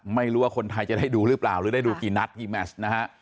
ไม่รู้ว่าคนไทยจะได้ดูหรือเปล่าหรือได้ดูกี่นัดอีแมชนะฮะ